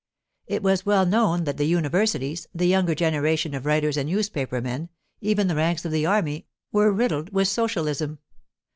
It was well known that the universities, the younger generation of writers and newspaper men, even the ranks of the army, were riddled with socialism.